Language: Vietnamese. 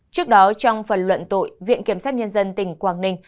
trước đó trong phần luận tội viện kiểm sát nhân dân tỉnh quảng ninh